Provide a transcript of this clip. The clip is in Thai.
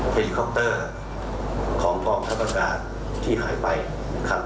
เห็นคอปเตอร์ของกองทับอากาศที่หายไปค่ะ